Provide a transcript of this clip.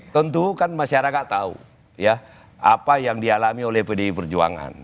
tentu kan masyarakat tahu ya apa yang dialami oleh pdi perjuangan